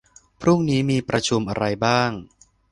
พรุ่งนี้มีประชุมอะไรบ้าง